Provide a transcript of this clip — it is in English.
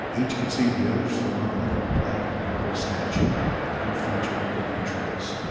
Each could see the other's form like a black marble statue, but no feature could be traced.